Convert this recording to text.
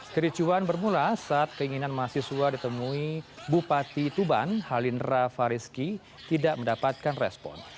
kericuan bermula saat keinginan mahasiswa ditemui bupati tuban halinra fariski tidak mendapatkan respon